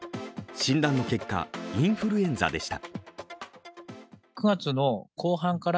診断の結果、インフルエンザでした。